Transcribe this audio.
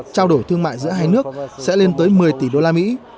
trao đổi thương mại giữa hai nước sẽ lên tới một mươi tỷ đô la mỹ